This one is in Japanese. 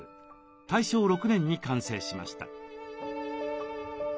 大正６年に完成しました。